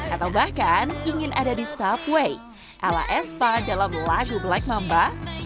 atau bahkan ingin ada di subway ala espa dalam lagu black mamba